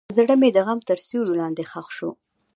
زړه مې د غم تر سیوري لاندې ښخ شو.